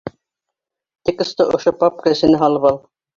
Тексты ошо папка эсенә һалып ал.